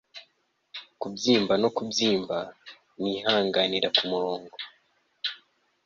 kubyimba no kubyimba nihanganira kumurongo